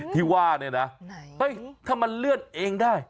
ที่ว่าถ้ามันเลื่อนเองได้